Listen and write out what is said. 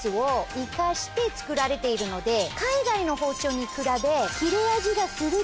生かして作られているので海外の包丁に比べ。